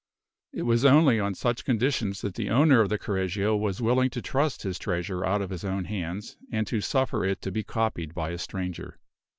It was only on such conditions that the owner of the Correggio was willing to trust his treasure out of his own hands, and to suffer it to be copied by a stranger.